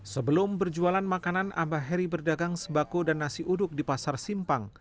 sebelum berjualan makanan abah heri berdagang sembako dan nasi uduk di pasar simpang